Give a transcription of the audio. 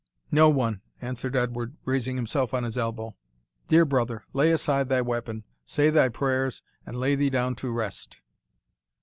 "No one," answered Edward, raising himself on his elbow; "dear brother, lay aside thy weapon, say thy prayers, and lay thee down to rest."